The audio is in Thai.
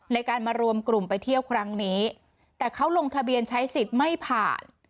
ในการมารวมกลุ่มไปเที่ยวครั้งนี้แต่เขาลงทะเบียนใช้สิทธิ์ไม่ผ่าน